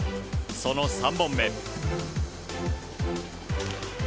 その３本目。